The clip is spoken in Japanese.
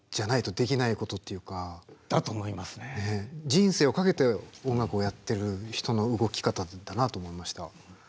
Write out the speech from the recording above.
人生を懸けて音楽をやってる人の動き方だなと思いました。